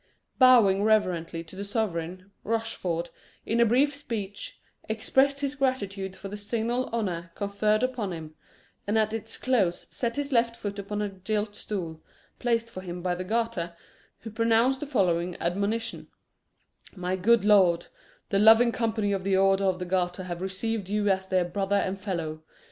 Bowing reverently to the sovereign, Rochford, in a brief speech, expressed his gratitude for the signal honour conferred upon him, and at its close set his left foot upon a gilt stool, placed for him by the Garter, who pronounced the following admonition: "My good lord, the loving company of the Order of the Garter have received you as their brother and fellow.